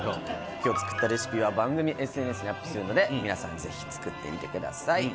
今日作ったレシピは番組ＳＮＳにアップするので皆さんぜひ作ってみてください。